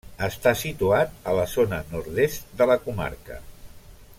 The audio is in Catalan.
Està situat a la zona nord-est de la comarca.